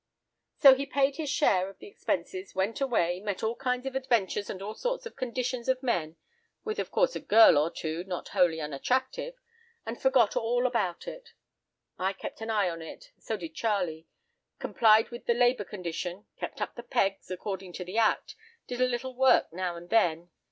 "So he paid his share of the expenses, went away, met all kinds of adventures and all sorts and conditions of men—with, of course, a girl or two, not wholly unattractive, and forgot all about it. I kept an eye on it, so did Charlie; complied with the labour condition, kept up the pegs, according to the Act, did a little work now and then.